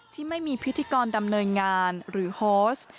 ที่ไม่มีพิธีกรดำเนินงานหรือโฮส